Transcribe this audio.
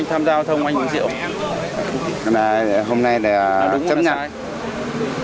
hôm nay là chấm nhạc